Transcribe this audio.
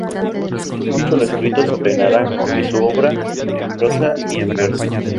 Es mucho lo escrito sobre Naranjo y su obra, en prosa y en verso.